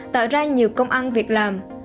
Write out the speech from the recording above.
tạo ra nhiều công ăn việc làm